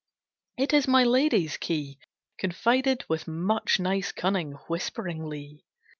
It is my lady's key, confided with much nice cunning, whisperingly.